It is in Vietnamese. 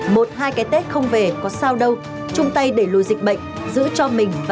một hai cái tết không về có sao đâu chung tay để lùi dịch bệnh giữ cho mình